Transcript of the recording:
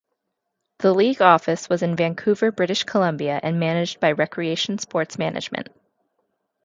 The league office was in Vancouver, British Columbia and managed by Recreation Sports Management.